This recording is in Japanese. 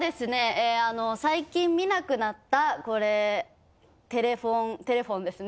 えあの最近見なくなったこれテレフォンテレフォンですね。